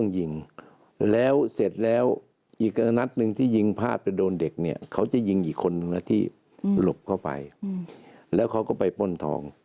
หลบเข้าไปแล้วเขาก็ไปปล้นทอง